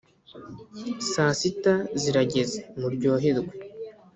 Saasita zirageze muryoherwe